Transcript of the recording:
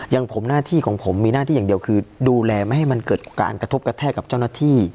อย่างผมหน้าที่ของผมมีหน้าที่อย่างเดียวคือดูแลไม่ให้มันเกิดการกระทบกระแทกกับเจ้าหน้าที่